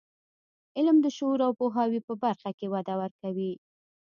علم د شعور او پوهاوي په برخه کې وده ورکوي.